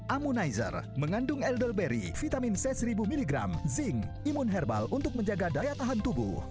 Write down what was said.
ammonizer mengandung elderberry vitamin c seribu mg zinc imun herbal untuk menjaga daya tahan tubuh